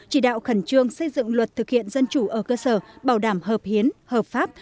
chỉ đạo khẩn trương xây dựng luật thực hiện dân chủ ở cơ sở bảo đảm hợp hiến hợp pháp